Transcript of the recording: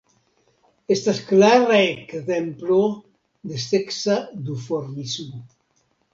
Estas klara ekzemplo de seksa duformismo.